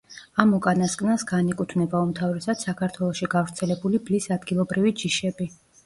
ამ უკანასკნელს განეკუთვნება უმთავრესად საქართველოში გავრცელებული ბლის ადგილობრივი ჯიშები.